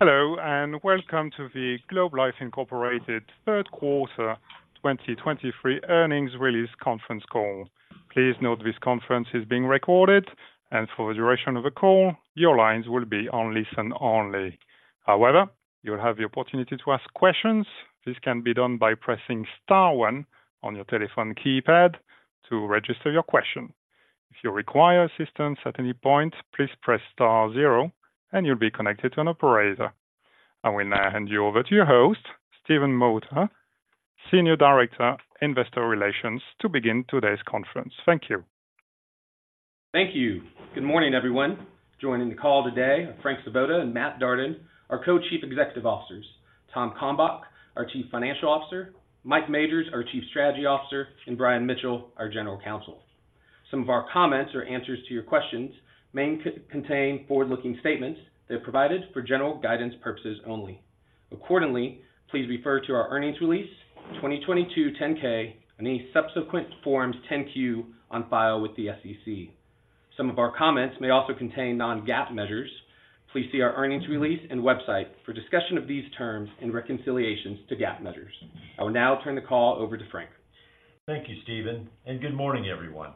Hello, and welcome to the Globe Life Incorporated third quarter 2023 earnings release conference call. Please note this conference is being recorded, and for the duration of the call, your lines will be on listen only. However, you'll have the opportunity to ask questions. This can be done by pressing star one on your telephone keypad to register your question. If you require assistance at any point, please press star zero and you'll be connected to an operator. I will now hand you over to your host, Steven Moser, Senior Director, Investor Relations, to begin today's conference. Thank you. Thank you. Good morning, everyone. Joining the call today are Frank Svoboda and Matt Darden, our Co-Chief Executive Officers, Tom Kalmbach, our Chief Financial Officer, Mike Majors, our Chief Strategy Officer, and Brian Mitchell, our General Counsel. Some of our comments or answers to your questions may contain forward-looking statements that are provided for general guidance purposes only. Accordingly, please refer to our earnings release, 2022 10-K, and any subsequent Forms 10-Q on file with the SEC. Some of our comments may also contain non-GAAP measures. Please see our earnings release and website for discussion of these terms and reconciliations to GAAP measures. I will now turn the call over to Frank. Thank you, Steven, and good morning, everyone.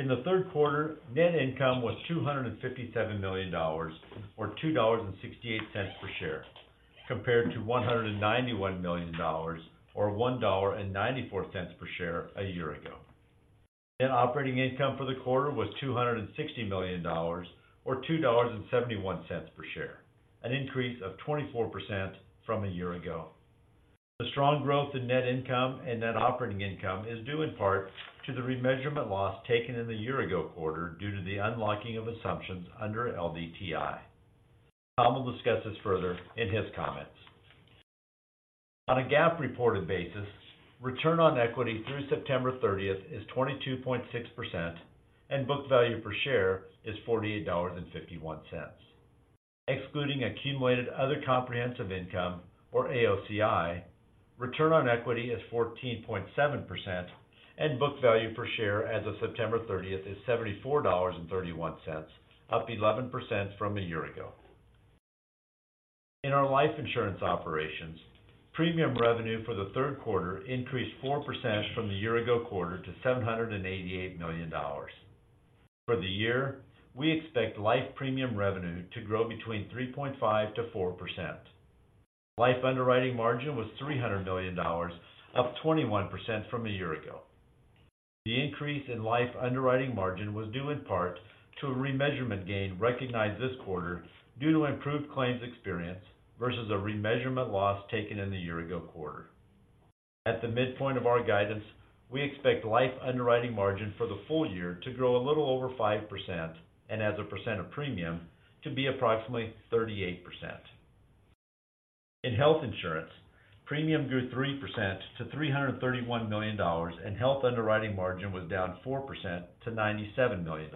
In the third quarter, net income was $257 million or $2.68 per share, compared to $191 million or $1.94 per share a year ago. Net operating income for the quarter was $260 million, or $2.71 per share, an increase of 24% from a year ago. The strong growth in net income and net operating income is due in part to the remeasurement loss taken in the year-ago quarter due to the unlocking of assumptions under LDTI. Tom will discuss this further in his comments. On a GAAP reported basis, return on equity through September thirtieth is 22.6%, and book value per share is $48.51. Excluding accumulated other comprehensive income, or AOCI, return on equity is 14.7%, and book value per share as of September 30 is $74.31, up 11% from a year ago. In our life insurance operations, premium revenue for the third quarter increased 4% from the year-ago quarter to $788 million. For the year, we expect life premium revenue to grow between 3.5%-4%. Life underwriting margin was $300 million, up 21% from a year ago. The increase in life underwriting margin was due in part to a remeasurement gain recognized this quarter due to improved claims experience versus a remeasurement loss taken in the year-ago quarter. At the midpoint of our guidance, we expect life underwriting margin for the full year to grow a little over 5%, and as a percent of premium, to be approximately 38%. In health insurance, premium grew 3% to $331 million, and health underwriting margin was down 4% to $97 million,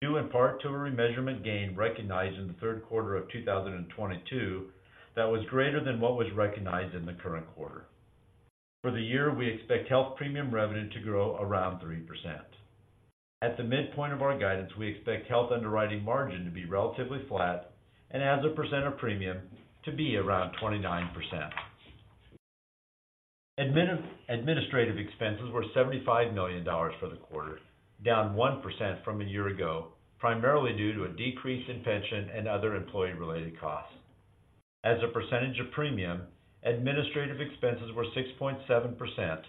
due in part to a remeasurement gain recognized in the third quarter of 2022 that was greater than what was recognized in the current quarter. For the year, we expect health premium revenue to grow around 3%. At the midpoint of our guidance, we expect health underwriting margin to be relatively flat and as a percent of premium to be around 29%. Administrative expenses were $75 million for the quarter, down 1% from a year ago, primarily due to a decrease in pension and other employee-related costs. As a percentage of premium, administrative expenses were 6.7%,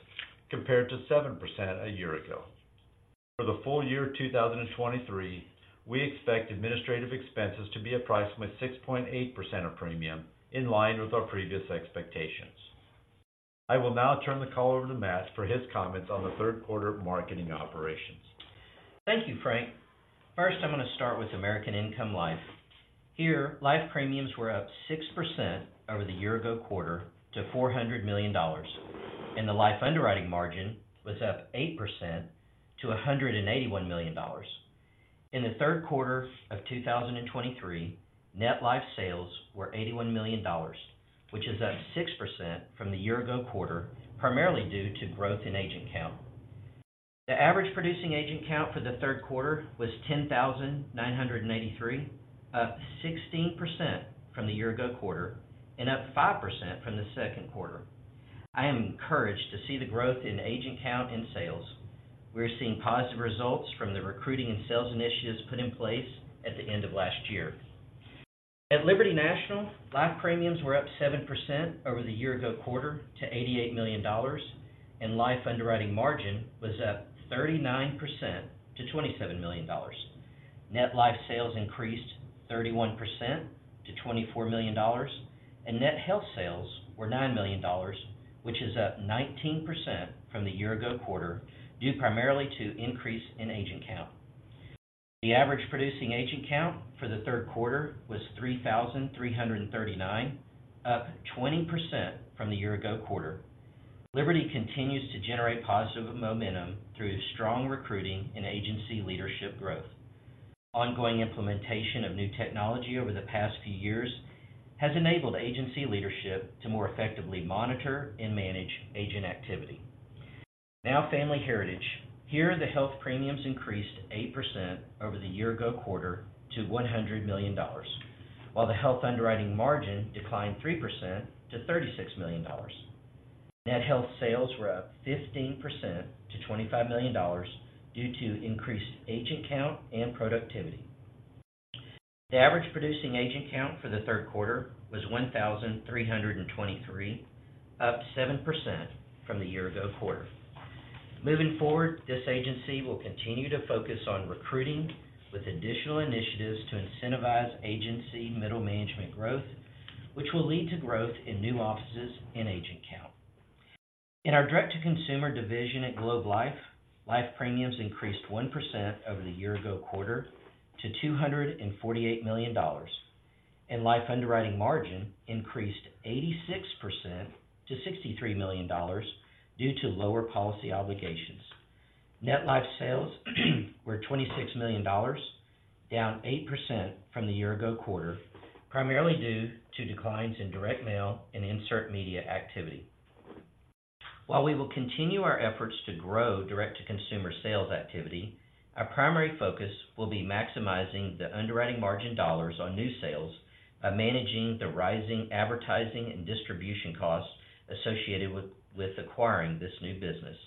compared to 7% a year ago. For the full year 2023, we expect administrative expenses to be approximately 6.8% of premium, in line with our previous expectations. I will now turn the call over to Matt for his comments on the third quarter marketing operations. Thank you, Frank. First, I'm going to start with American Income Life. Here, life premiums were up 6% over the year-ago quarter to $400 million, and the life underwriting margin was up 8% to $181 million. In the third quarter of 2023, net life sales were $81 million, which is up 6% from the year-ago quarter, primarily due to growth in agent count. The average producing agent count for the third quarter was 10,983, up 16% from the year-ago quarter and up 5% from the second quarter. I am encouraged to see the growth in agent count and sales. We are seeing positive results from the recruiting and sales initiatives put in place at the end of last year. At Liberty National, life premiums were up 7% over the year-ago quarter to $88 million, and life underwriting margin was up 39% to $27 million. Net Life Sales increased 31% to $24 million, and Net Health Sales were $9 million, which is up 19% from the year-ago quarter, due primarily to increase in agent count. The average producing agent count for the third quarter was 3,339, up 20% from the year-ago quarter. Liberty continues to generate positive momentum through strong recruiting and agency leadership growth. Ongoing implementation of new technology over the past few years has enabled agency leadership to more effectively monitor and manage agent activity. Now, Family Heritage. Here, the health premiums increased 8% over the year ago quarter to $100 million, while the health underwriting margin declined 3% to $36 million. Net Health Sales were up 15% to $25 million due to increased agent count and productivity. The average producing agent count for the third quarter was 1,323, up 7% from the year ago quarter. Moving forward, this agency will continue to focus on recruiting with additional initiatives to incentivize agency middle management growth, which will lead to growth in new offices and agent count. In our Direct to Consumer division at Globe Life, life premiums increased 1% over the year ago quarter to $248 million, and life underwriting margin increased 86% to $63 million due to lower policy obligations. Net Life Sales were $26 million, down 8% from the year-ago quarter, primarily due to declines in direct mail and insert media activity. While we will continue our efforts to grow Direct to Consumer sales activity, our primary focus will be maximizing the underwriting margin dollars on new sales by managing the rising advertising and distribution costs associated with acquiring this new business.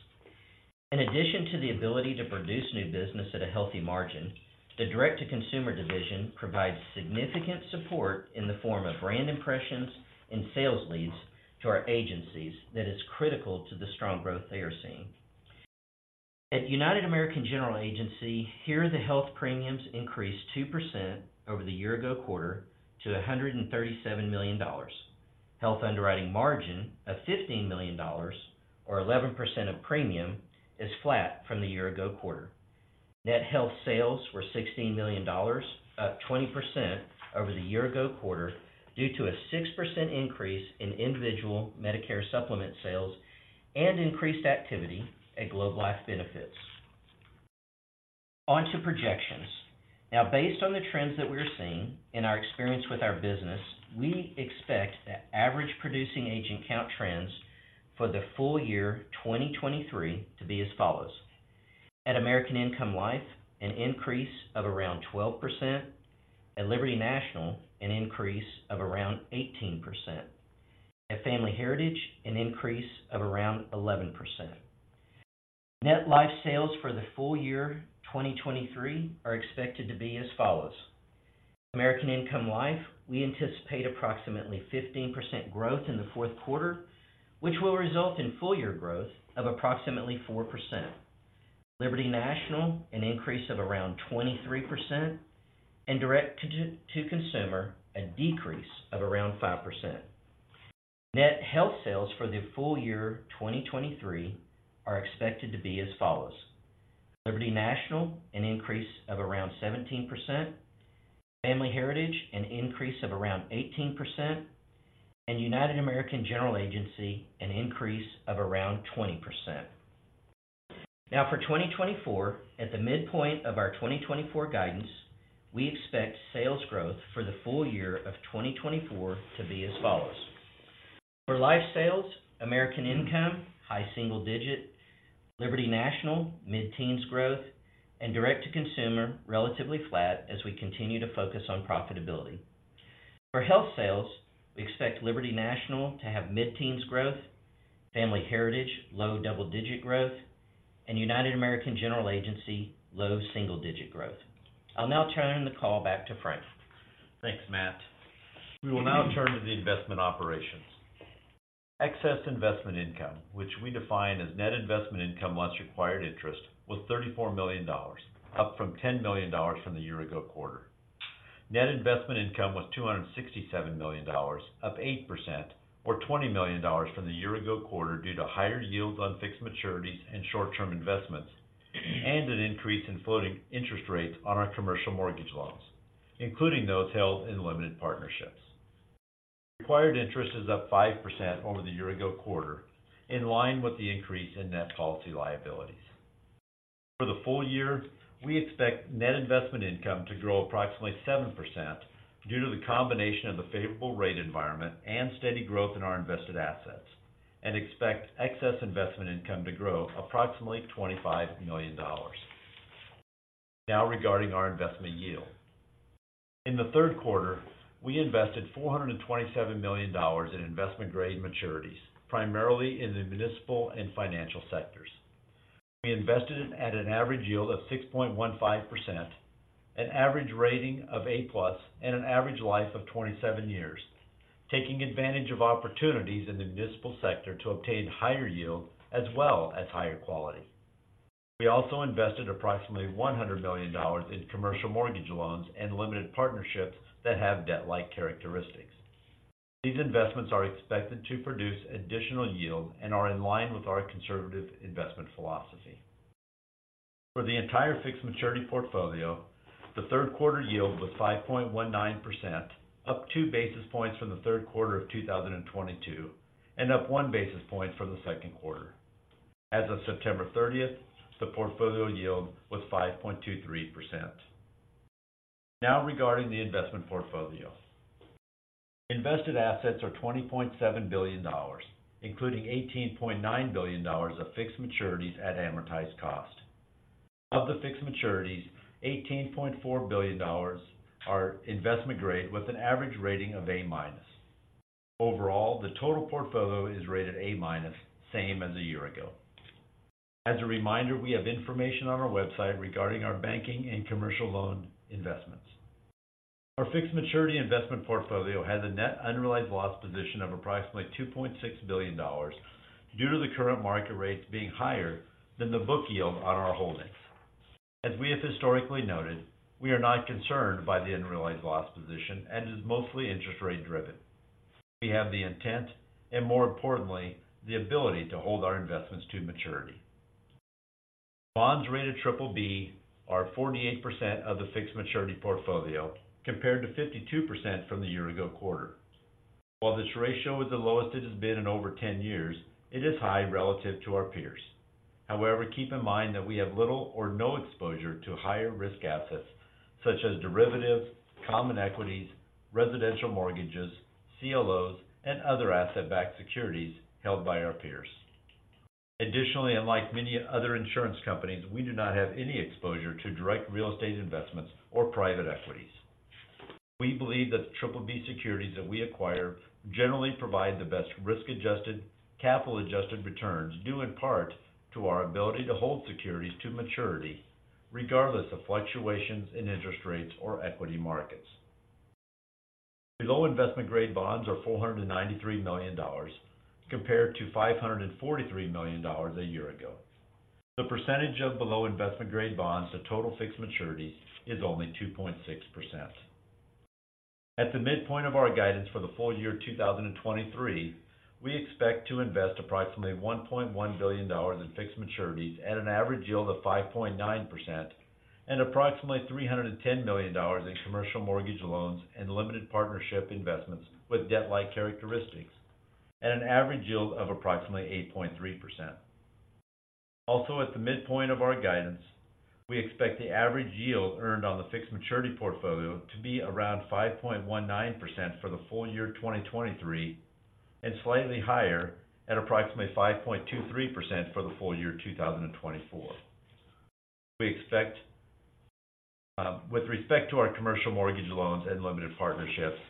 In addition to the ability to produce new business at a healthy margin, the Direct to Consumer division provides significant support in the form of brand impressions and sales leads to our agencies that is critical to the strong growth they are seeing. At United American General Agency, health premiums increased 2% over the year-ago quarter to $137 million. Health underwriting margin of $15 million or 11% of premium is flat from the year-ago quarter. Net Health Sales were $16 million, up 20% over the year-ago quarter, due to a 6% increase in individual Medicare Supplement sales and increased activity at Globe Life Benefits. On to projections. Now, based on the trends that we are seeing in our experience with our business, we expect that average producing agent count trends for the full year 2023 to be as follows: at American Income Life, an increase of around 12%; at Liberty National, an increase of around 18%; at Family Heritage, an increase of around 11%. Net Life Sales for the full year 2023 are expected to be as follows: American Income Life, we anticipate approximately 15% growth in the fourth quarter, which will result in full year growth of approximately 4%. Liberty National, an increase of around 23%, and direct to consumer, a decrease of around 5%. Net Health Sales for the full year 2023 are expected to be as follows: Liberty National, an increase of around 17%, Family Heritage, an increase of around 18%, and United American General Agency, an increase of around 20%. Now for 2024, at the midpoint of our 2024 guidance, we expect sales growth for the full year of 2024 to be as follows: for life sales, American Income, high single digit, Liberty National, mid-teens growth, and direct to consumer, relatively flat as we continue to focus on profitability. For health sales, we expect Liberty National to have mid-teens growth, Family Heritage, low double-digit growth, and United American General Agency, low single-digit growth. I'll now turn the call back to Frank. Thanks, Matt. We will now turn to the investment operations. Excess investment income, which we define as net investment income once required interest, was $34 million, up from $10 million from the year ago quarter. Net investment income was $267 million, up 8% or $20 million from the year ago quarter due to higher yields on fixed maturities and short-term investments, and an increase in floating interest rates on our commercial mortgage loans, including those held in limited partnerships. Required interest is up 5% over the year ago quarter, in line with the increase in net policy liabilities. For the full year, we expect net investment income to grow approximately 7% due to the combination of the favorable rate environment and steady growth in our invested assets, and expect excess investment income to grow approximately $25 million. Now, regarding our investment yield. In the third quarter, we invested $427 million in investment-grade maturities, primarily in the municipal and financial sectors. We invested at an average yield of 6.15%, an average rating of A+, and an average life of 27 years, taking advantage of opportunities in the municipal sector to obtain higher yield as well as higher quality. We also invested approximately $100 million in commercial mortgage loans and limited partnerships that have debt-like characteristics. These investments are expected to produce additional yield and are in line with our conservative investment philosophy. For the entire fixed maturity portfolio, the third quarter yield was 5.19%, up 2 basis points from the third quarter of 2022, and up 1 basis point from the second quarter. As of September 30, the portfolio yield was 5.23%. Now regarding the investment portfolio. Invested assets are $20.7 billion, including $18.9 billion of fixed maturities at amortized cost. Of the fixed maturities, $18.4 billion are investment grade with an average rating of A-. Overall, the total portfolio is rated A-, same as a year ago. As a reminder, we have information on our website regarding our banking and commercial loan investments. Our fixed maturity investment portfolio has a net unrealized loss position of approximately $2.6 billion due to the current market rates being higher than the book yield on our holdings. As we have historically noted, we are not concerned by the unrealized loss position and is mostly interest rate-driven. We have the intent and, more importantly, the ability to hold our investments to maturity. Bonds rated BBB are 48% of the fixed maturity portfolio, compared to 52% from the year ago quarter. While this ratio is the lowest it has been in over 10 years, it is high relative to our peers. However, keep in mind that we have little or no exposure to higher risk assets such as derivatives, common equities, residential mortgages, CLOs, and other asset-backed securities held by our peers. Additionally, unlike many other insurance companies, we do not have any exposure to direct real estate investments or private equities. We believe that the BBB securities that we acquire generally provide the best risk-adjusted, capital-adjusted returns, due in part to our ability to hold securities to maturity, regardless of fluctuations in interest rates or equity markets. Below investment grade bonds are $493 million, compared to $543 million a year ago. The percentage of below investment grade bonds to total fixed maturity is only 2.6%. At the midpoint of our guidance for the full year 2023, we expect to invest approximately $1.1 billion in fixed maturities at an average yield of 5.9% and approximately $310 million in commercial mortgage loans and limited partnership investments with debt-like characteristics at an average yield of approximately 8.3%. Also, at the midpoint of our guidance, we expect the average yield earned on the fixed maturity portfolio to be around 5.19% for the full year 2023, and slightly higher at approximately 5.23% for the full year 2024. We expect, with respect to our commercial mortgage loans and limited partnerships,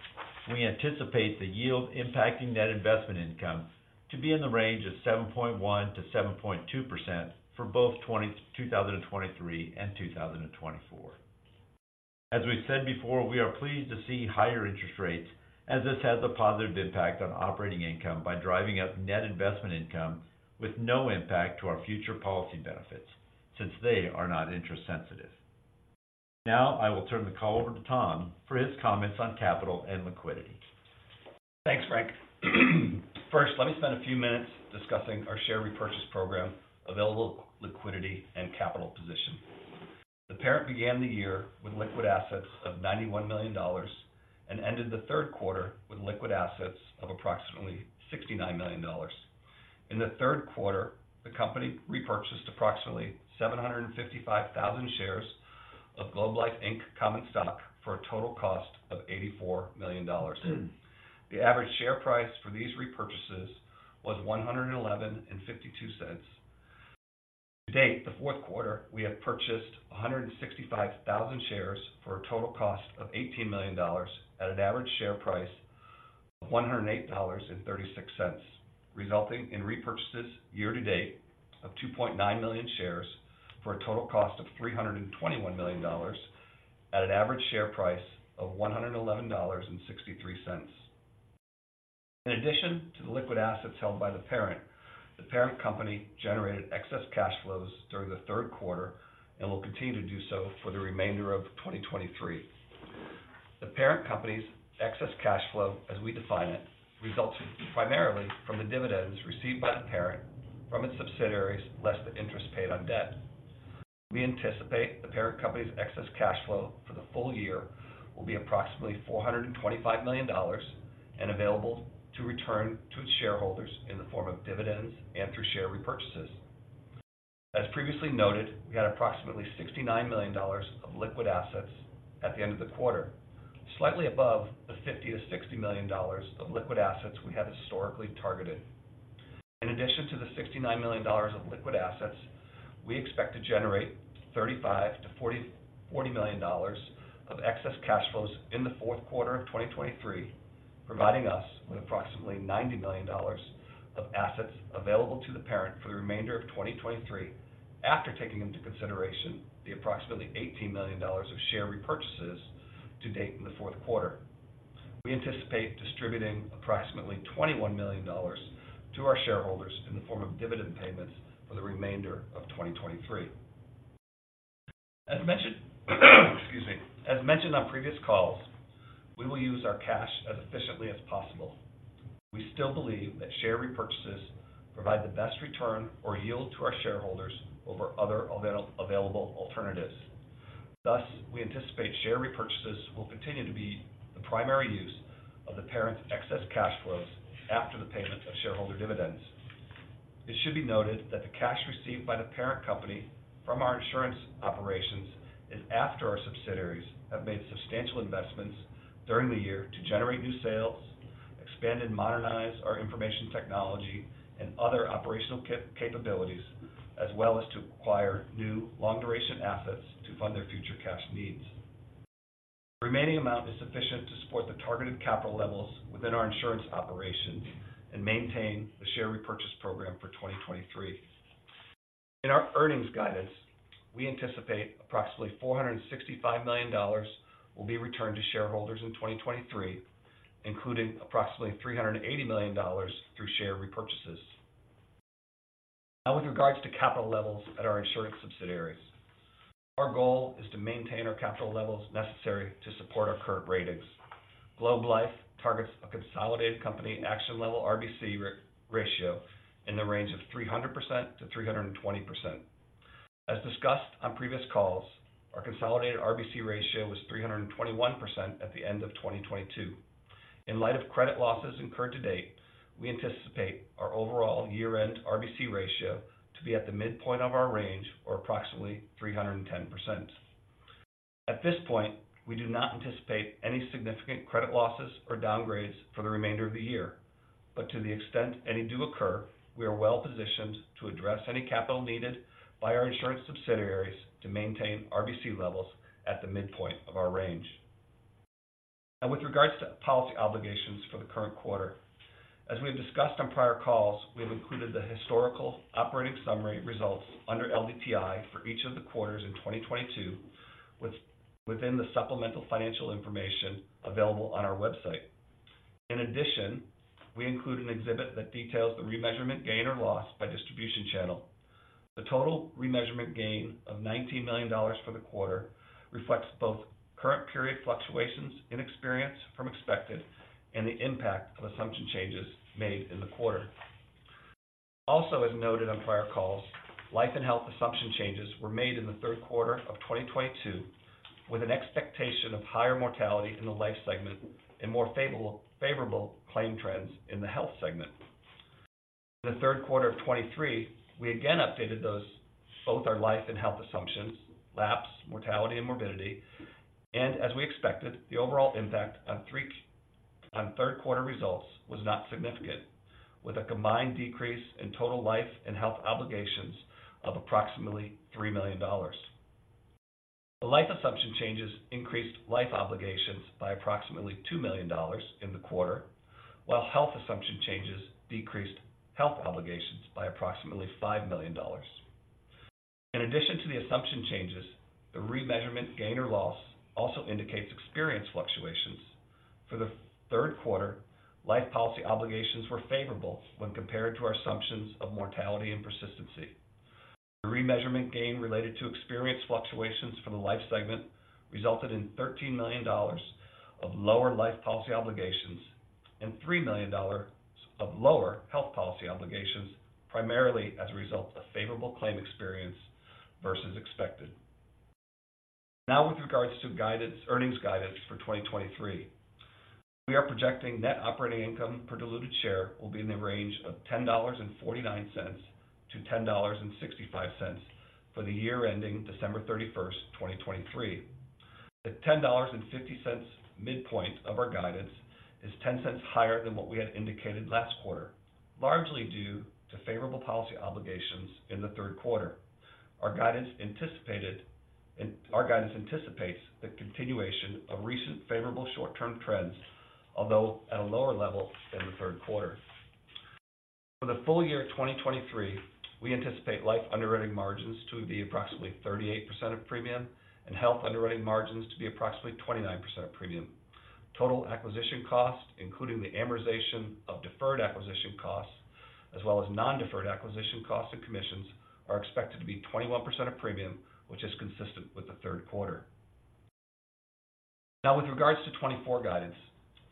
we anticipate the yield impacting net investment income to be in the range of 7.1%-7.2% for both 2023 and 2024. As we've said before, we are pleased to see higher interest rates as this has a positive impact on operating income by driving up net investment income with no impact to our future policy benefits, since they are not interest sensitive. Now, I will turn the call over to Tom for his comments on capital and liquidity. Thanks, Frank. First, let me spend a few minutes discussing our share repurchase program, available liquidity, and capital position. The parent began the year with liquid assets of $91 million and ended the third quarter with liquid assets of approximately $69 million. In the third quarter, the company repurchased approximately 755,000 shares of Globe Life Inc common stock for a total cost of $84 million. The average share price for these repurchases was $111.52. To date, the fourth quarter, we have purchased 165,000 shares for a total cost of $18 million at an average share price of $108.36, resulting in repurchases year-to-date of 2.9 million shares for a total cost of $321 million at an average share price of $111.63. In addition to the liquid assets held by the parent, the parent company generated excess cash flows during the third quarter and will continue to do so for the remainder of 2023. The parent company's excess cash flow, as we define it, results primarily from the dividends received by the parent from its subsidiaries, less the interest paid on debt. We anticipate the parent company's excess cash flow for the full year will be approximately $425 million and available to return to its shareholders in the form of dividends and through share repurchases. As previously noted, we had approximately $69 million of liquid assets at the end of the quarter, slightly above the $50-$60 million of liquid assets we had historically targeted. In addition to the $69 million of liquid assets, we expect to generate $35-$40 million of excess cash flows in the fourth quarter of 2023, providing us with approximately $90 million of assets available to the parent for the remainder of 2023, after taking into consideration the approximately $18 million of share repurchases to date in the fourth quarter. We anticipate distributing approximately $21 million to our shareholders in the form of dividend payments for the remainder of 2023. As mentioned, excuse me. As mentioned on previous calls, we will use our cash as efficiently as possible. We still believe that share repurchases provide the best return or yield to our shareholders over other available alternatives. Thus, we anticipate share repurchases will continue to be the primary use of the parent's excess cash flows after the payment of shareholder dividends. It should be noted that the cash received by the parent company from our insurance operations is after our subsidiaries have made substantial investments during the year to generate new sales, expand and modernize our information technology and other operational capabilities, as well as to acquire new long-duration assets to fund their future cash needs. The remaining amount is sufficient to support the targeted capital levels within our insurance operations and maintain the share repurchase program for 2023. In our earnings guidance, we anticipate approximately $465 million will be returned to shareholders in 2023, including approximately $380 million through share repurchases. Now, with regards to capital levels at our insurance subsidiaries, our goal is to maintain our capital levels necessary to support our current ratings. Globe Life targets a consolidated company action level RBC ratio in the range of 300%-320%. As discussed on previous calls, our consolidated RBC ratio was 321% at the end of 2022. In light of credit losses incurred to date, we anticipate our overall year-end RBC ratio to be at the midpoint of our range, or approximately 310%. At this point, we do not anticipate any significant credit losses or downgrades for the remainder of the year, but to the extent any do occur, we are well positioned to address any capital needed by our insurance subsidiaries to maintain RBC levels at the midpoint of our range. Now, with regards to policy obligations for the current quarter, as we have discussed on prior calls, we have included the historical operating summary results under LDTI for each of the quarters in 2022, within the supplemental financial information available on our website. In addition, we include an exhibit that details the remeasurement gain or loss by distribution channel. The total remeasurement gain of $19 million for the quarter reflects both current period fluctuations in experience from expected and the impact of assumption changes made in the quarter. Also, as noted on prior calls, life and health assumption changes were made in the third quarter of 2022, with an expectation of higher mortality in the life segment and more favorable claim trends in the health segment. In the third quarter of 2023, we again updated those, both our life and health assumptions, lapse, mortality, and morbidity, and as we expected, the overall impact on third quarter results was not significant, with a combined decrease in total life and health obligations of approximately $3 million. The life assumption changes increased life obligations by approximately $2 million in the quarter, while health assumption changes decreased health obligations by approximately $5 million. In addition to the assumption changes, the remeasurement gain or loss also indicates experience fluctuations. For the third quarter, life policy obligations were favorable when compared to our assumptions of mortality and persistency. The remeasurement gain related to experience fluctuations for the life segment resulted in $13 million of lower life policy obligations and $3 million of lower health policy obligations, primarily as a result of favorable claim experience versus expected. Now, with regards to guidance, earnings guidance for 2023, we are projecting net operating income per diluted share will be in the range of $10.49-$10.65 for the year ending December 31, 2023. The $10.50 midpoint of our guidance is $0.10 higher than what we had indicated last quarter, largely due to favorable policy obligations in the third quarter. Our guidance anticipated. Our guidance anticipates the continuation of recent favorable short-term trends, although at a lower level than the third quarter. For the full year 2023, we anticipate life underwriting margins to be approximately 38% of premium and health underwriting margins to be approximately 29% of premium. Total acquisition costs, including the amortization of deferred acquisition costs, as well as non-deferred acquisition costs and commissions, are expected to be 21% of premium, which is consistent with the third quarter. Now, with regards to 2024 guidance,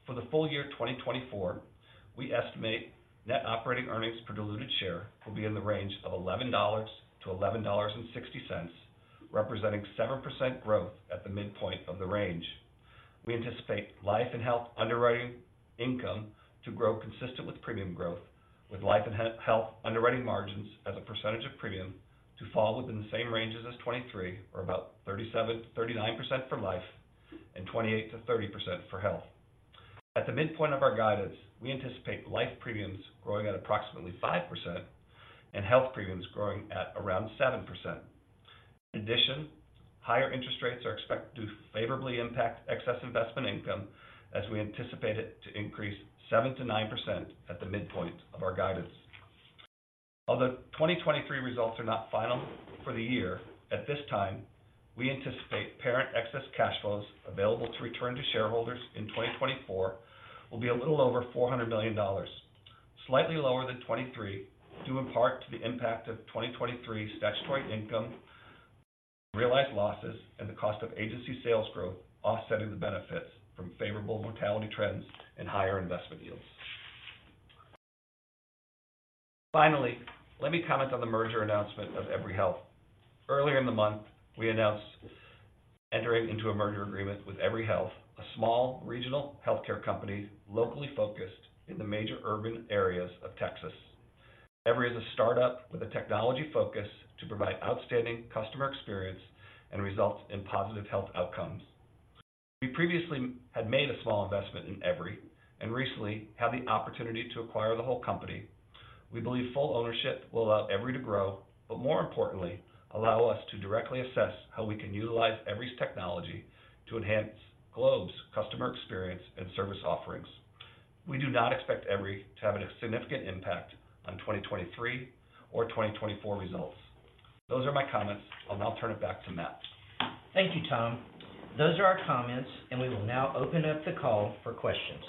for the full year 2024, we estimate net operating earnings per diluted share will be in the range of $11-$11.60, representing 7% growth at the midpoint of the range. We anticipate life and health underwriting income to grow consistent with premium growth, with life and health underwriting margins as a percentage of premium to fall within the same ranges as 2023, or about 37%-39% for life and 28%-30% for health. At the midpoint of our guidance, we anticipate life premiums growing at approximately 5% and health premiums growing at around 7%. In addition, higher interest rates are expected to favorably impact excess investment income as we anticipate it to increase 7%-9% at the midpoint of our guidance. Although 2023 results are not final for the year, at this time, we anticipate parent excess cash flows available to return to shareholders in 2024 will be a little over $400 million, slightly lower than 2023, due in part to the impact of 2023 statutory income, realized losses, and the cost of agency sales growth offsetting the benefits from favorable mortality trends and higher investment yields. Finally, let me comment on the merger announcement of Medicare Supplement sales. Earlier in the month, we announced entering into a merger agreement with Evry Health, a small regional healthcare company locally focused in the major urban areas of Texas. Evry is a startup with a technology focus to provide outstanding customer experience and results in positive health outcomes. We previously had made a small investment in Evry, and recently had the opportunity to acquire the whole company. We believe full ownership will allow Evry to grow, but more importantly, allow us to directly assess how we can utilize Evry's technology to enhance Globe's customer experience and service offerings. We do not expect Evry to have a significant impact on 2023 or 2024 results. Those are my comments. I'll now turn it back to Matt. Thank you, Tom. Those are our comments, and we will now open up the call for questions.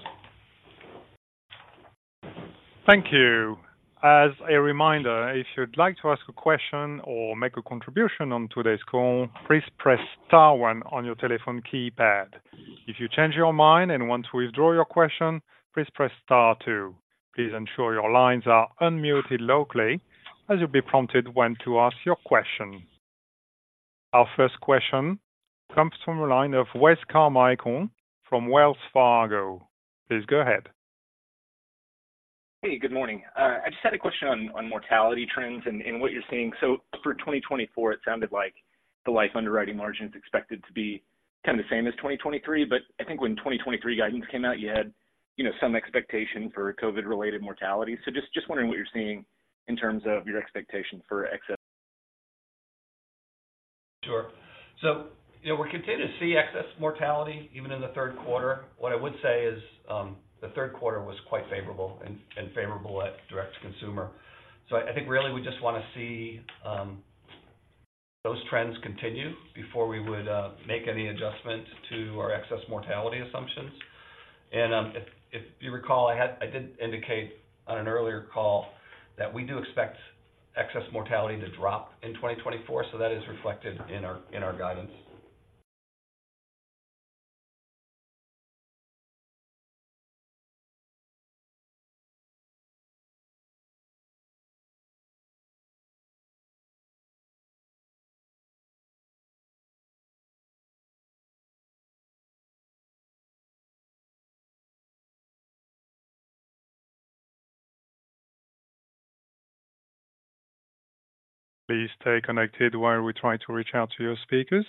Thank you. As a reminder, if you'd like to ask a question or make a contribution on today's call, please press star one on your telephone keypad. If you change your mind and want to withdraw your question, please press star two. Please ensure your lines are unmuted locally as you'll be prompted when to ask your question. Our first question comes from the line of Wes Carmichael from Wells Fargo. Please go ahead. Hey, good morning. I just had a question on mortality trends and what you're seeing. So for 2024, it sounded like the life underwriting margin is expected to be kind of the same as 2023, but I think when 2023 guidance came out, you had, you know, some expectation for COVID-related mortality. So just wondering what you're seeing in terms of your expectation for excess? Sure. So, you know, we're continuing to see excess mortality even in the third quarter. What I would say is, the third quarter was quite favorable and favorable at Direct to Consumer. So I think really we just want to see those trends continue before we would make any adjustment to our excess mortality assumptions. And, if you recall, I did indicate on an earlier call that we do expect excess mortality to drop in 2024, so that is reflected in our guidance. Please stay connected while we try to reach out to your speakers.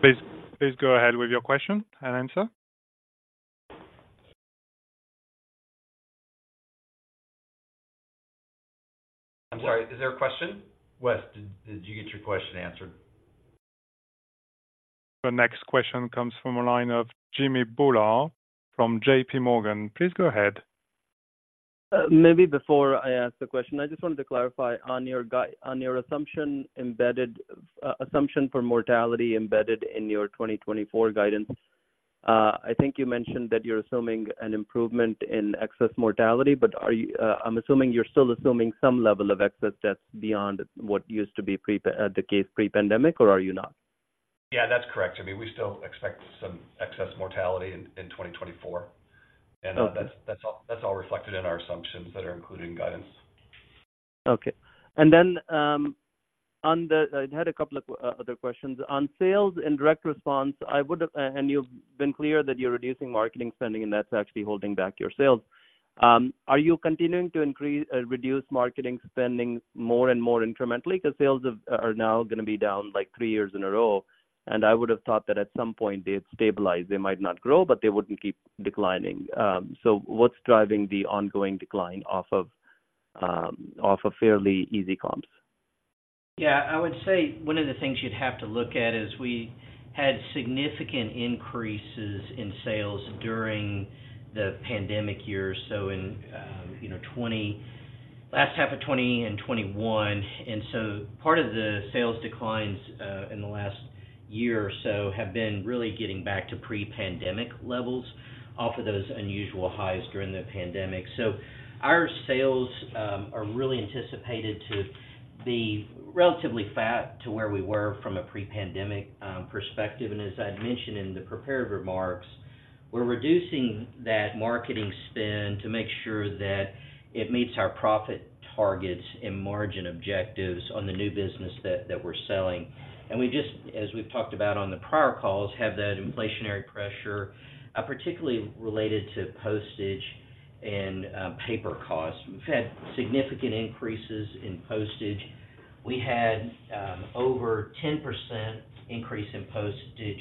Please, please go ahead with your question and answer. I'm sorry, is there a question? Wes, did you get your question answered? The next question comes from the line of Jimmy Bhullar from JPMorgan. Please go ahead. Maybe before I ask the question, I just wanted to clarify on your assumption, embedded assumption for mortality embedded in your 2024 guidance. I think you mentioned that you're assuming an improvement in excess mortality, but are you, I'm assuming you're still assuming some level of excess death beyond what used to be the case pre-pandemic, or are you not? Yeah, that's correct. I mean, we still expect some excess mortality in 2024. Okay. That's, that's all, that's all reflected in our assumptions that are included in guidance. Okay. And then, on the. I had a couple of other questions. On sales and direct response, I would've, and you've been clear that you're reducing marketing spending, and that's actually holding back your sales. Are you continuing to increase, reduce marketing spending more and more incrementally? Because sales are now going to be down, like, three years in a row, and I would have thought that at some point they'd stabilize. They might not grow, but they wouldn't keep declining. So what's driving the ongoing decline off of fairly easy comps? Yeah, I would say one of the things you'd have to look at is we had significant increases in sales during the pandemic years. So in, you know, last half of 2020 and 2021. And so part of the sales declines in the last year or so have been really getting back to pre-pandemic levels off of those unusual highs during the pandemic. So our sales are really anticipated to be relatively flat to where we were from a pre-pandemic perspective. And as I'd mentioned in the prepared remarks, we're reducing that marketing spend to make sure that it meets our profit targets and margin objectives on the new business that we're selling. And we just, as we've talked about on the prior calls, have that inflationary pressure particularly related to postage and paper costs. We've had significant increases in postage. We had over 10% increase in postage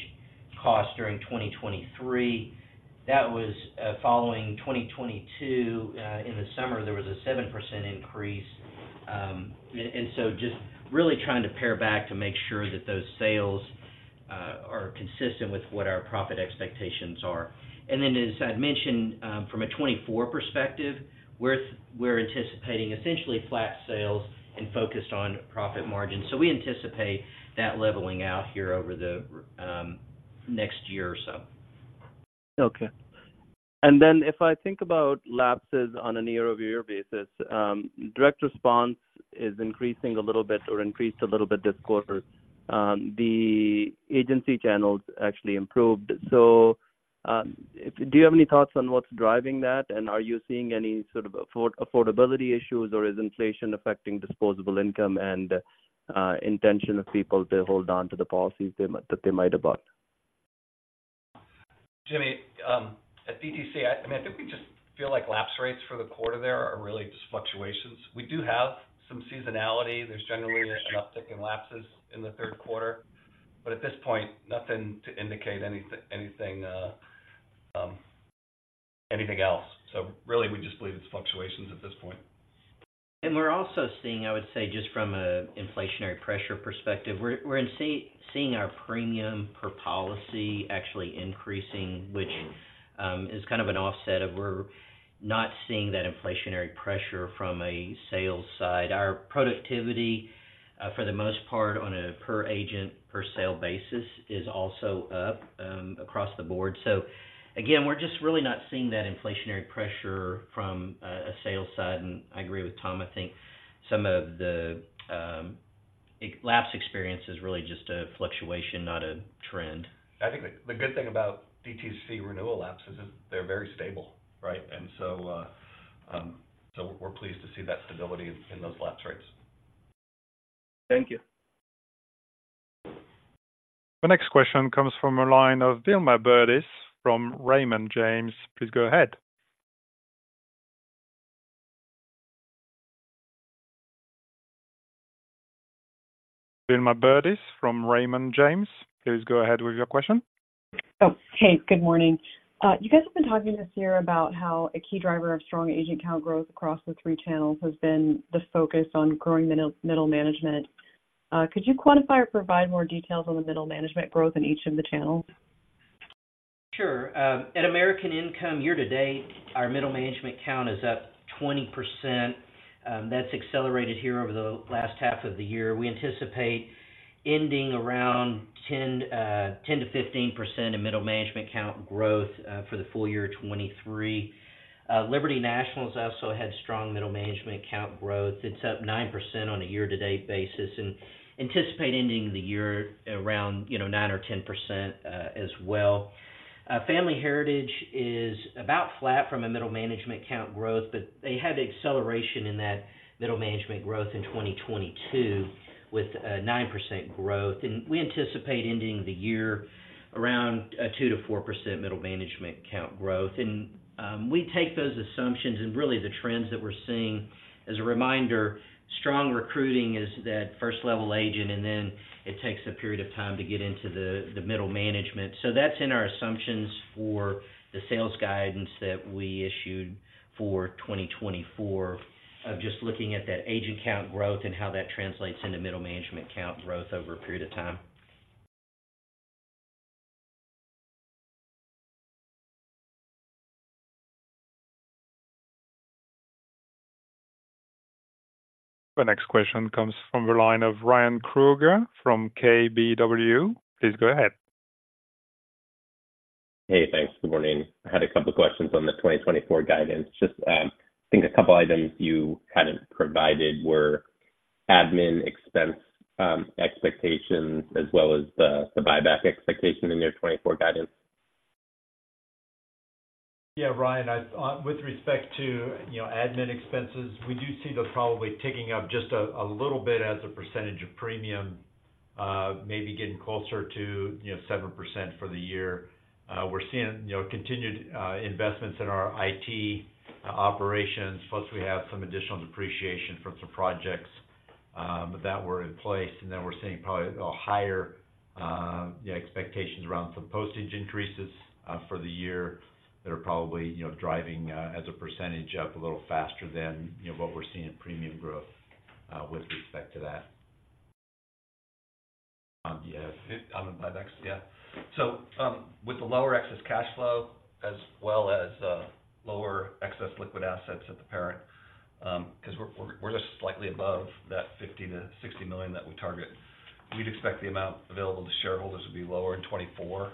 costs during 2023. That was following 2022. In the summer, there was a 7% increase. And so just really trying to pare back to make sure that those sales are consistent with what our profit expectations are. And then, as I'd mentioned, from a 2024 perspective, we're anticipating essentially flat sales and focused on profit margins. So we anticipate that leveling out here over the next year or so. Okay. And then if I think about lapses on a year-over-year basis, direct response is increasing a little bit or increased a little bit this quarter. The agency channels actually improved. So, do you have any thoughts on what's driving that? And are you seeing any sort of affordability issues, or is inflation affecting disposable income and intention of people to hold on to the policies they might have bought? Jimmy, at DTC, I mean, I think we just feel like lapse rates for the quarter there are really just fluctuations. We do have some seasonality. There's generally an uptick in lapses in the third quarter, but at this point, nothing to indicate anything else. So really, we just believe it's fluctuations at this point. And we're also seeing, I would say, just from an inflationary pressure perspective, we're seeing our premium per policy actually increasing, which is kind of an offset of we're not seeing that inflationary pressure from a sales side. Our productivity, for the most part, on a per agent, per sale basis, is also up, across the board. So again, we're just really not seeing that inflationary pressure from a sales side. And I agree with Tom, I think some of the lapse experience is really just a fluctuation, not a trend. I think the good thing about DTC renewal lapses is they're very stable, right? So we're pleased to see that stability in those lapse rates. Thank you. The next question comes from a line of Wilma Burdis, from Raymond James. Please go ahead. Wilma Burdis from Raymond James, please go ahead with your question. Oh, hey, good morning. You guys have been talking this year about how a key driver of strong agent count growth across the three channels has been the focus on growing the middle management. Could you quantify or provide more details on the middle management growth in each of the channels? Sure. At American Income, year-to-date, our middle management count is up 20%. That's accelerated here over the last half of the year. We anticipate ending around 10%-15% in middle management count growth for the full year 2023. Liberty National has also had strong middle management count growth. It's up 9% on a year-to-date basis, and anticipate ending the year around, you know, 9% or 10% as well. Family Heritage is about flat from a middle management count growth, but they had an acceleration in that middle management growth in 2022, with 9% growth. We anticipate ending the year around 2%-4% middle management count growth. We take those assumptions and really the trends that we're seeing. As a reminder, strong recruiting is that first-level agent, and then it takes a period of time to get into the middle management. So that's in our assumptions for the sales guidance that we issued for 2024, of just looking at that agent count growth and how that translates into middle management count growth over a period of time. The next question comes from the line of Ryan Krueger from KBW. Please go ahead. Hey, thanks. Good morning. I had a couple questions on the 2024 guidance. Just, I think a couple items you hadn't provided were admin expense expectations, as well as the buyback expectation in your 2024 guidance. Yeah, Ryan, I, with respect to, you know, admin expenses, we do see those probably ticking up just a little bit as a percentage of premium, maybe getting closer to, you know, 7% for the year. We're seeing, you know, continued investments in our IT operations, plus we have some additional depreciation from some projects that were in place. And then we're seeing probably a higher expectations around some postage increases for the year, that are probably, you know, driving, as a percentage, up a little faster than, you know, what we're seeing in premium growth, with respect to that. Yes, on the buyback, yeah. With the lower excess cash flow as well as lower excess liquid assets at the parent, 'cause we're just slightly above that $50 million-$60 million that we target. We'd expect the amount available to shareholders would be lower in 2024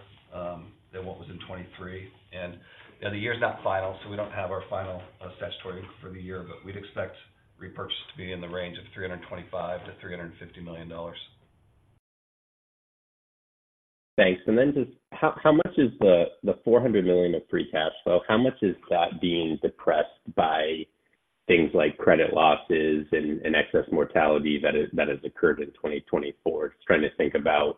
than what was in 2023. And, you know, the year is not final, so we don't have our final statutory for the year, but we'd expect repurchase to be in the range of $325 million-$350 million. Thanks. And then just how much is the $400 million of free cash flow being depressed by things like credit losses and excess mortality that has occurred in 2024? Just trying to think about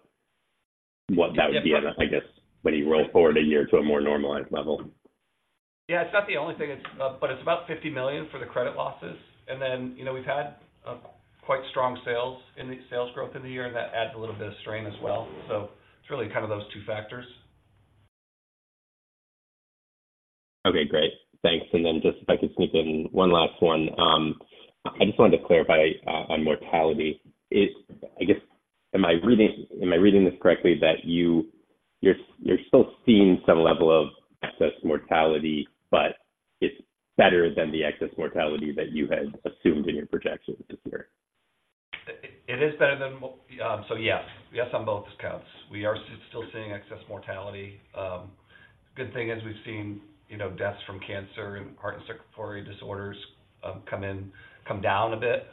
what that would be, I guess, when you roll forward a year to a more normalized level. Yeah, it's not the only thing, it's, but it's about $50 million for the credit losses. And then, you know, we've had quite strong sales growth in the year, and that adds a little bit of strain as well. So it's really kind of those two factors. Okay, great. Thanks. And then just if I could sneak in one last one. I just wanted to clarify on mortality. Is, I guess, am I reading this correctly, that you're still seeing some level of excess mortality, but it's better than the excess mortality that you had assumed in your projections this year? So yes, yes, on both counts, we are still seeing excess mortality. Good thing is we've seen, you know, deaths from cancer and heart and circulatory disorders, come in, come down a bit.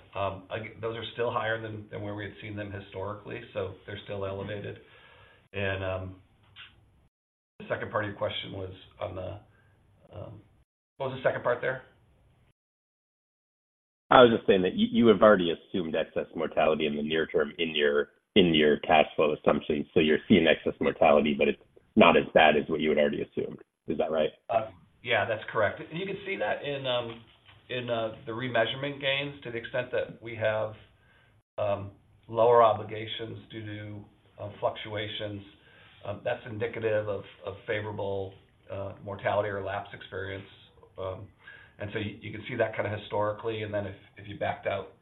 Again, those are still higher than where we had seen them historically, so they're still elevated. And, the second part of your question was on the, what was the second part there? I was just saying that you, you have already assumed excess mortality in the near term, in your, in your cash flow assumptions. So you're seeing excess mortality, but it's not as bad as what you had already assumed. Is that right? Yeah, that's correct. And you can see that in the remeasurement gains to the extent that we have lower obligations due to fluctuations. That's indicative of favorable mortality or lapse experience. And so you can see that kinda historically, and then if you backed out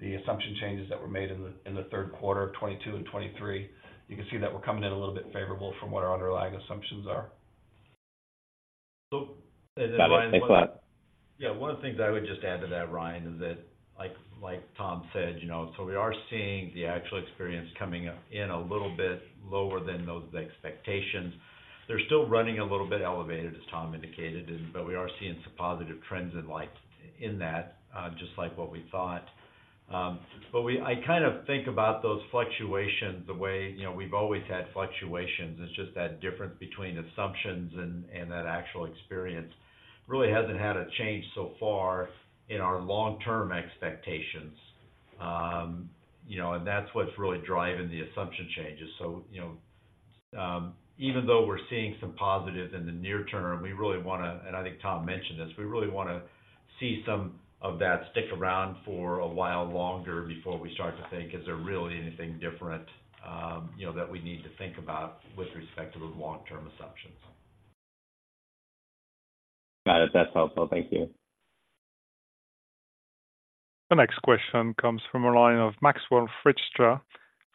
the assumption changes that were made in the third quarter of and 2023, you can see that we're coming in a little bit favorable from what our underlying assumptions are. So. Got it. Thanks a lot. Yeah. One of the things I would just add to that, Ryan, is that, like Tom said, you know, so we are seeing the actual experience coming up in a little bit lower than those expectations. They're still running a little bit elevated, as Tom indicated, and but we are seeing some positive trends in like, in that, just like what we thought. But we I kind of think about those fluctuations the way, you know, we've always had fluctuations. It's just that difference between assumptions and that actual experience really hasn't had a change so far in our long-term expectations. You know, and that's what's really driving the assumption changes. So, you know, even though we're seeing some positive in the near term, we really want to, and I think Tom mentioned this, we really want to see some of that stick around for a while longer before we start to think, is there really anything different, you know, that we need to think about with respect to those long-term assumptions? Got it. That's helpful. Thank you. The next question comes from the line of Max Fritscher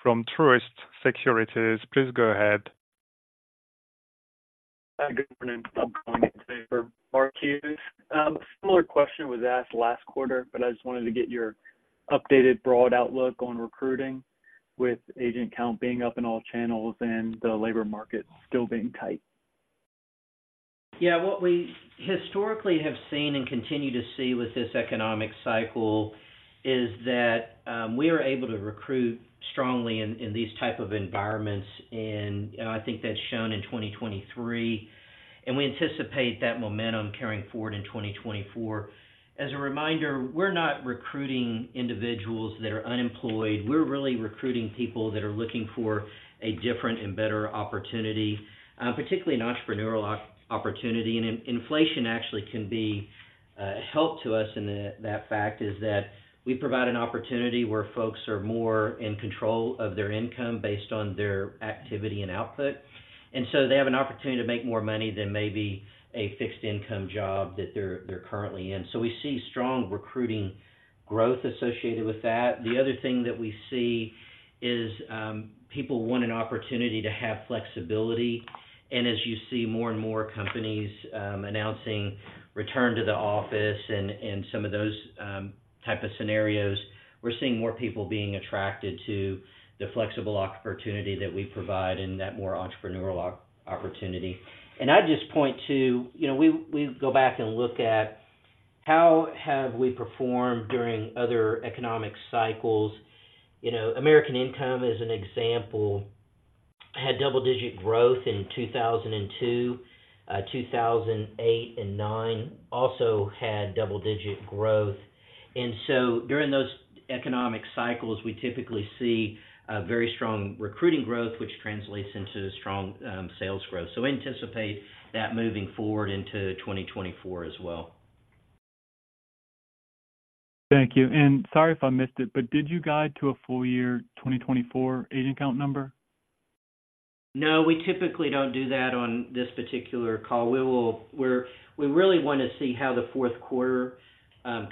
from Truist Securities. Please go ahead. Hi, good morning. I'm going today for Mark Hughes. A similar question was asked last quarter, but I just wanted to get your updated broad outlook on recruiting, with agent count being up in all channels and the labor market still being tight? Yeah, what we historically have seen and continue to see with this economic cycle is that, we are able to recruit strongly in these type of environments, and, you know, I think that's shown in 2023, and we anticipate that momentum carrying forward in 2024. As a reminder, we're not recruiting individuals that are unemployed. We're really recruiting people that are looking for a different and better opportunity, particularly an entrepreneurial opportunity. And inflation actually can be a help to us in the, that fact, is that we provide an opportunity where folks are more in control of their income based on their activity and output. And so they have an opportunity to make more money than maybe a fixed income job that they're currently in. So we see strong recruiting growth associated with that. The other thing that we see is, people want an opportunity to have flexibility. And as you see more and more companies announcing return to the office and some of those type of scenarios, we're seeing more people being attracted to the flexible opportunity that we provide and that more entrepreneurial opportunity. And I just point to, you know, we go back and look at how have we performed during other economic cycles. You know, American Income, as an example, had double-digit growth in 2002, 2008 and 2009, also had double-digit growth. And so during those economic cycles, we typically see a very strong recruiting growth, which translates into strong sales growth. So we anticipate that moving forward into 2024 as well. Thank you. Sorry if I missed it, but did you guide to a full year 2024 agent count number? No, we typically don't do that on this particular call. We're, we really want to see how the fourth quarter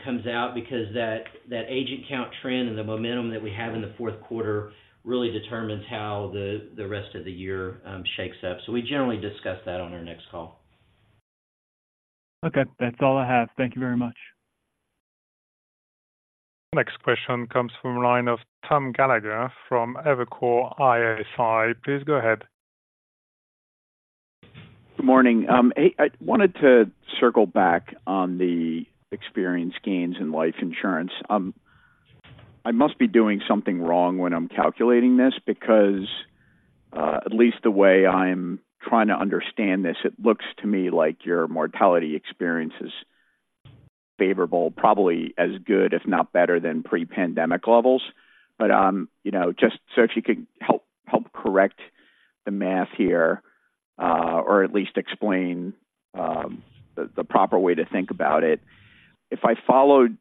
comes out, because that, that agent count trend and the momentum that we have in the fourth quarter really determines how the, the rest of the year shakes up. So we generally discuss that on our next call. Okay. That's all I have. Thank you very much. Next question comes from the line of Tom Gallagher from Evercore ISI. Please go ahead. Good morning. I wanted to circle back on the experience gains in Life Insurance. I must be doing something wrong when I'm calculating this because, at least the way I'm trying to understand this, it looks to me like your mortality experience is favorable, probably as good, if not better, than pre-pandemic levels. But, you know, just so if you could help, help correct the math here, or at least explain, the proper way to think about it. If I followed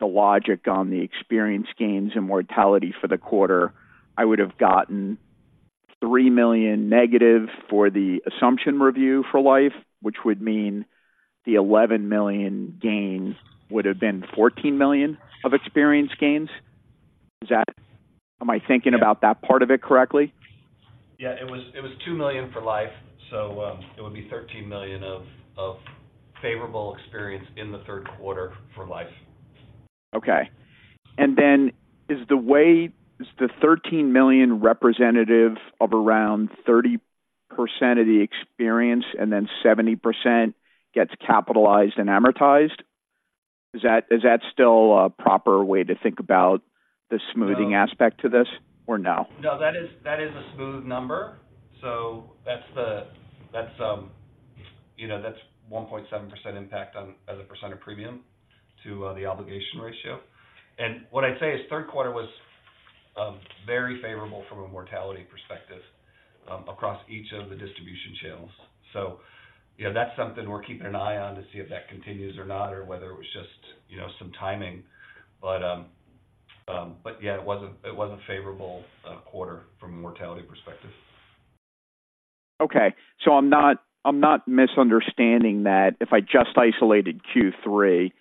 the logic on the experience gains and mortality for the quarter, I would have gotten -$3 million for the assumption review for life, which would mean the $11 million gains would have been $14 million of experience gains. Is that? Am I thinking about that part of it correctly? Yeah, it was $2 million for life, so it would be $13 million of favorable experience in the third quarter for life. Okay. And then is the $13 million representative of around 30% of the experience and then 70% gets capitalized and amortized? Is that, is that still a proper way to think about the smoothing aspect to this, or no? No, that is, that is a smooth number. So that's the, that's, you know, that's 1.7% impact on, as a percent of premium to the obligation ratio. And what I'd say is, third quarter was very favorable from a mortality perspective across each of the distribution channels. So, you know, that's something we're keeping an eye on to see if that continues or not, or whether it was just, you know, some timing. But, but yeah, it was a, it was a favorable quarter from a mortality perspective. Okay. So I'm not, I'm not misunderstanding that. If I just isolated Q3,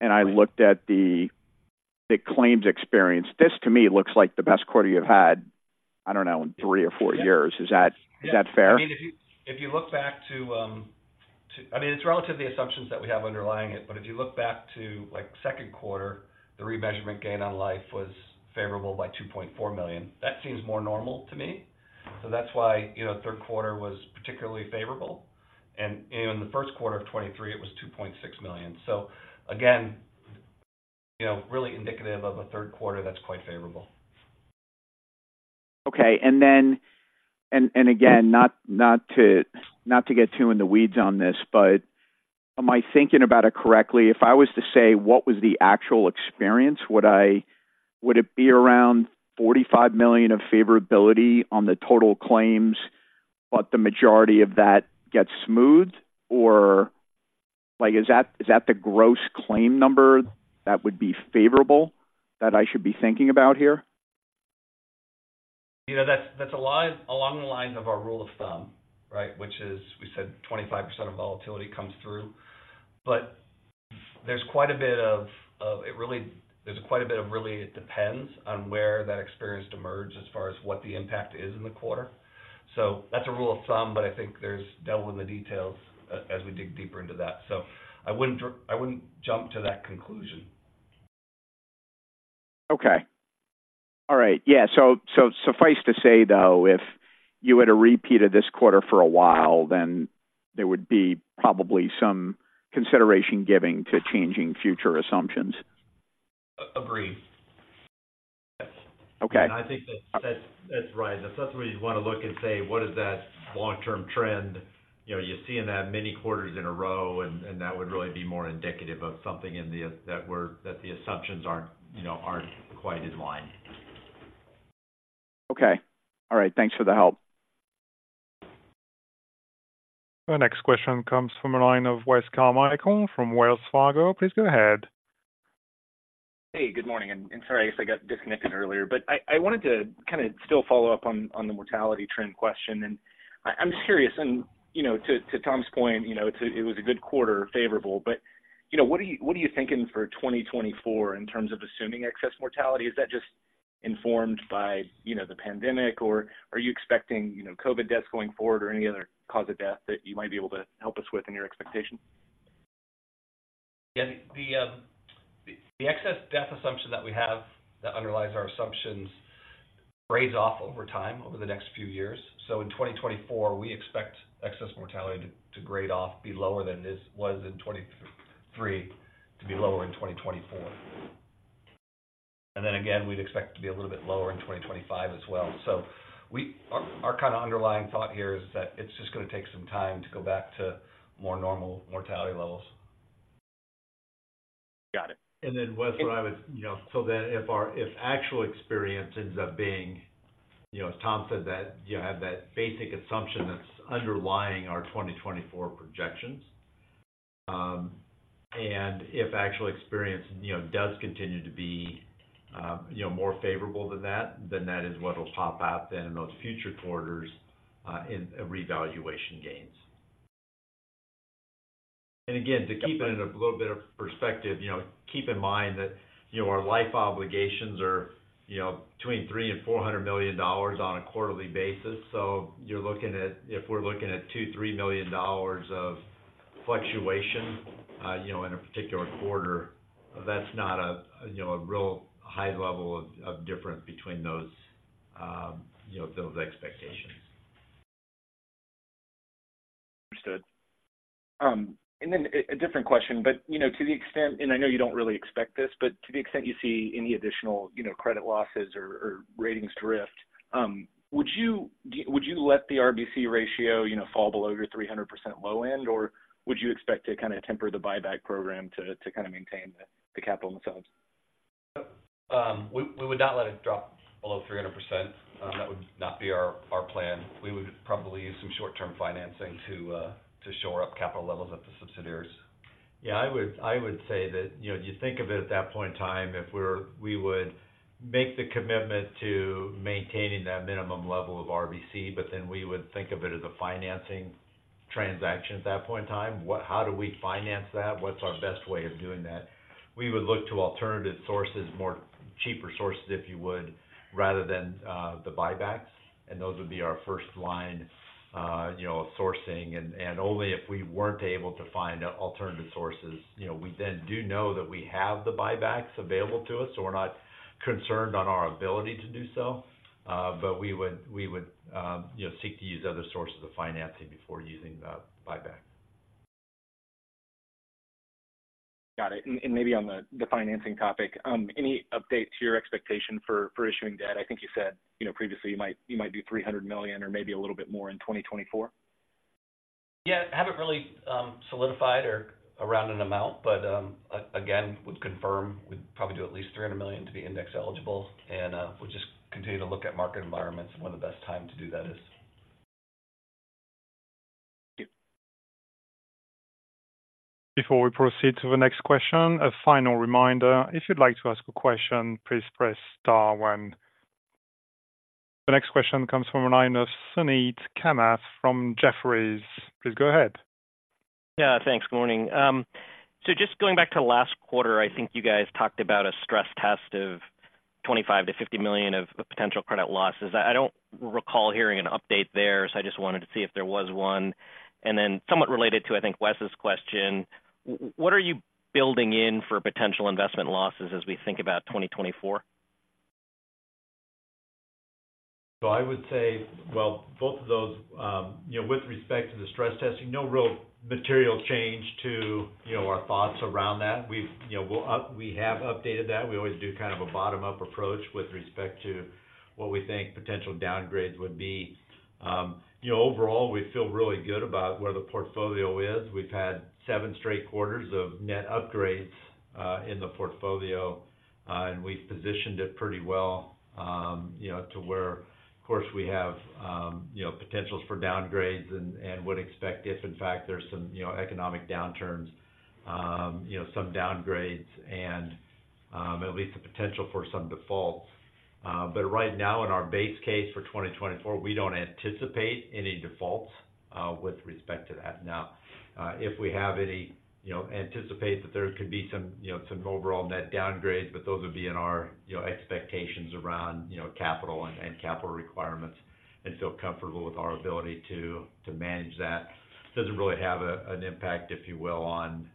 and I looked at the, the claims experience, this, to me, looks like the best quarter you've had, I don't know, in three or four years. Is that? Yeah. Is that fair? I mean, if you look back to, I mean, it's relative to the assumptions that we have underlying it, but if you look back to, like, second quarter, the remeasurement gain on life was favorable by $2.4 million. That seems more normal to me. So that's why, you know, third quarter was particularly favorable, and in the first quarter of 2023, it was $2.6 million. So again, you know, really indicative of a third quarter that's quite favorable. Okay. And again, not to get too in the weeds on this, but am I thinking about it correctly? If I was to say, what was the actual experience, would it be around $45 million of favorability on the total claims, but the majority of that gets smoothed? Or, like, is that the gross claim number that would be favorable that I should be thinking about here? You know, that's along the lines of our rule of thumb, right? Which is, we said 25% of volatility comes through, but there's quite a bit of, really, it depends on where that experience emerged as far as what the impact is in the quarter. So that's a rule of thumb, but I think there's devil in the details as we dig deeper into that. So I wouldn't jump to that conclusion. Okay. All right. Yeah, so suffice to say, though, if you were to repeat of this quarter for a while, then there would be probably some consideration giving to changing future assumptions. Agreed. Yes. Okay. I think that's right. That's where you want to look and say, "What is that long-term trend?" You know, you're seeing that many quarters in a row, and that would really be more indicative of something in the... that the assumptions aren't, you know, aren't quite in line. Okay. All right. Thanks for the help. The next question comes from the line of Wes Carmichael from Wells Fargo. Please go ahead. Hey, good morning, and sorry, I guess I got disconnected earlier. But I wanted to kind of still follow up on the mortality trend question, and I'm curious, and, you know, to Tom's point, you know, it was a good quarter, favorable. But, you know, what are you thinking for 2024 in terms of assuming excess mortality? Is that just informed by, you know, the pandemic, or are you expecting, you know, COVID deaths going forward or any other cause of death that you might be able to help us with in your expectation? Yeah. The excess death assumption that we have, that underlies our assumptions, grades off over time, over the next few years. So in 2024, we expect excess mortality to grade off, be lower than it was in 2023, to be lower in 2024. And then again, we'd expect it to be a little bit lower in 2025 as well. So our kind of underlying thought here is that it's just going to take some time to go back to more normal mortality levels. Got it. Wes, what I would. You know, if actual experience ends up being, you know, as Tom said, that you have that basic assumption that's underlying our 2024 projections, you know, and if actual experience does continue to be, you know, more favorable than that, then that is what will pop out then in those future quarters in revaluation gains. And again, to keep it in a little bit of perspective, you know, keep in mind that, you know, our life obligations are, you know, between $300 million-$400 million on a quarterly basis. So you're looking at if we're looking at $2 million-$3 million of fluctuation, you know, in a particular quarter, that's not a, you know, a real high level of, of difference between those, you know, those expectations. Understood. And then a different question, but, you know, to the extent, and I know you don't really expect this, but to the extent you see any additional, you know, credit losses or ratings drift, would you let the RBC ratio, you know, fall below your 300% low end? Or would you expect to kind of temper the buyback program to kind of maintain the capital themselves? We would not let it drop below 300%. That would not be our plan. We would probably use some short-term financing to shore up capital levels at the subsidiaries. Yeah, I would say that, you know, you think of it at that point in time, if we would make the commitment to maintaining that minimum level of RBC, but then we would think of it as a financing transaction at that point in time, how do we finance that? What's our best way of doing that? We would look to alternative sources, more cheaper sources, if you would, rather than the buyback, and those would be our first line, you know, sourcing. And only if we weren't able to find alternative sources, you know, we then do know that we have the buybacks available to us, so we're not concerned on our ability to do so. But we would, you know, seek to use other sources of financing before using the buyback. Got it. And maybe on the financing topic, any update to your expectation for issuing debt? I think you said, you know, previously you might do $300 million or maybe a little bit more in 2024. Yeah, haven't really solidified or around an amount, but, again, would confirm we'd probably do at least $300 million to be index eligible, and, we'll just continue to look at market environments and when the best time to do that is. Thank you. Before we proceed to the next question, a final reminder. If you'd like to ask a question, please press star one. The next question comes from the line of Suneet Kamath from Jefferies. Please go ahead. Yeah, thanks. Good morning. So just going back to last quarter, I think you guys talked about a stress test of $25 million-$50 million of potential credit losses. I, I don't recall hearing an update there, so I just wanted to see if there was one. And then somewhat related to, I think, Wes's question: What are you building in for potential investment losses as we think about 2024? So I would say, well, both of those, you know, with respect to the stress testing, no real material change to, you know, our thoughts around that. We've, you know, we have updated that. We always do kind of a bottom-up approach with respect to what we think potential downgrades would be. You know, overall, we feel really good about where the portfolio is. We've had seven straight quarters of net upgrades, in the portfolio, and we've positioned it pretty well, you know, to where, of course, we have, you know, potentials for downgrades and, and would expect if in fact, there's some, you know, economic downturns, you know, some downgrades and, at least the potential for some defaults. But right now, in our base case for 2024, we don't anticipate any defaults, with respect to that. Now, if we have any, you know, anticipate that there could be some, you know, some overall net downgrades, but those would be in our, you know, expectations around, you know, capital and, and capital requirements, and feel comfortable with our ability to, to manage that. Doesn't really have a, an impact, if you will, on,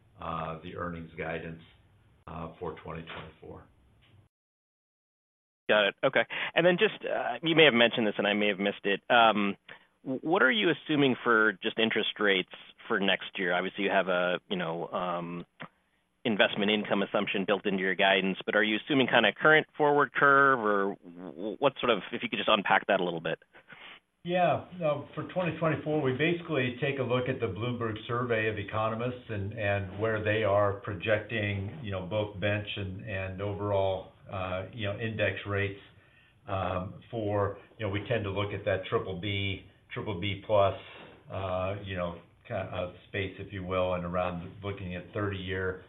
the earnings guidance, for 2024. Got it. Okay. And then just, you may have mentioned this, and I may have missed it. What are you assuming for just interest rates for next year? Obviously, you have a, you know, investment income assumption built into your guidance, but are you assuming kind of current forward curve, or what sort of. If you could just unpack that a little bit? Yeah. For 2024, we basically take a look at the Bloomberg survey of economists and where they are projecting, you know, both bench and overall, you know, index rates. For, you know, we tend to look at that BBB, BBB+, you know, kind of space, if you will, and around looking at 30-year,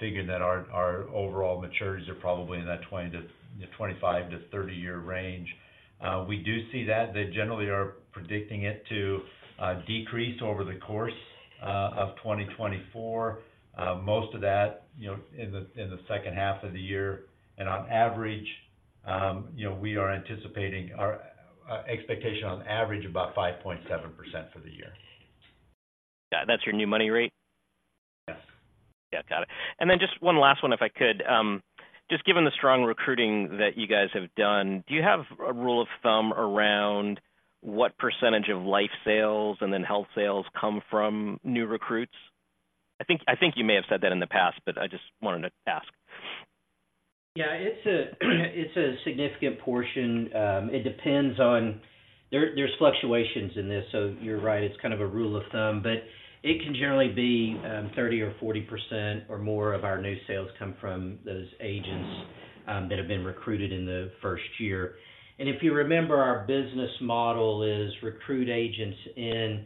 figuring that our overall maturities are probably in that 25-30 year range. We do see that. They generally are predicting it to decrease over the course of 2024. Most of that, you know, in the second half of the year. On average, you know, we are anticipating our expectation on average about 5.7% for the year. Got it. That's your new money rate? Yes. Yeah. Got it. And then just one last one, if I could. Just given the strong recruiting that you guys have done, do you have a rule of thumb around what percentage of life sales and then health sales come from new recruits? I think, I think you may have said that in the past, but I just wanted to ask. Yeah, it's a, it's a significant portion. It depends on. There's fluctuations in this, so you're right, it's kind of a rule of thumb, but it can generally be 30 or 40% or more of our new sales come from those agents that have been recruited in the first year. And if you remember, our business model is recruit agents, and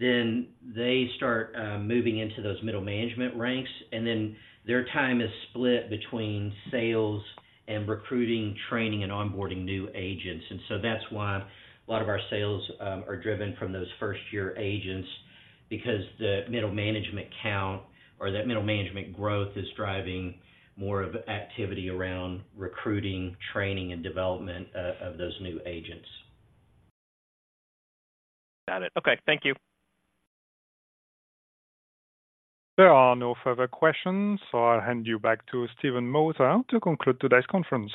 then they start moving into those middle management ranks, and then their time is split between sales and recruiting, training, and onboarding new agents. And so that's why a lot of our sales are driven from those first-year agents, because the middle management count or that middle management growth is driving more of activity around recruiting, training, and development of those new agents. Got it. Okay. Thank you. There are no further questions, so I'll hand you back to Steven Moser to conclude today's conference.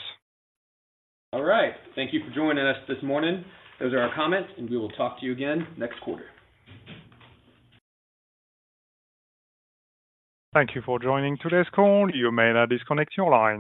All right. Thank you for joining us this morning. Those are our comments, and we will talk to you again next quarter. Thank you for joining today's call. You may now disconnect your lines.